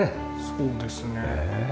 そうですね。